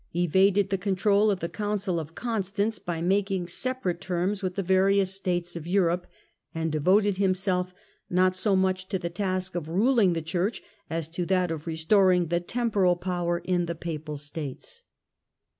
evaded the control of the Council of Constance by making separate terms with the various states of Europe, and devoted himself, not so much to the task of ruling the Church, as to that of restoring the temporal power in the papal states.